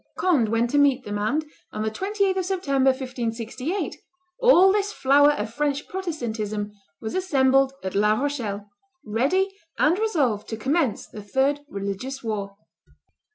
Conde went to meet them, and, on the 28th of September, 1568, all this flower of French Protestantism was assembled at La Rochelle, ready and resolved to commence the third religious war.